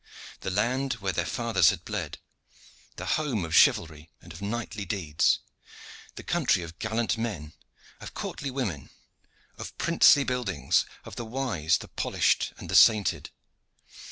The land where their fathers had bled, the home of chivalry and of knightly deeds, the country of gallant men, of courtly women, of princely buildings, of the wise, the polished and the sainted.